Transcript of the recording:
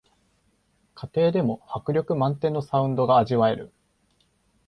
家庭でも迫力満点のサウンドが味わえる